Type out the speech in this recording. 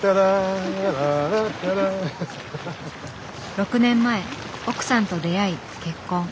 ６年前奥さんと出会い結婚。